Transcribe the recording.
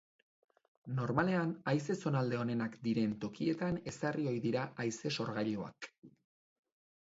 Normalean, haize zonalde onenak diren tokietan ezarri ohi dira haize-sorgailuak.